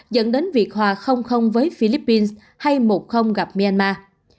dẫn đến việc hòa với philippines hay một gặp myanmar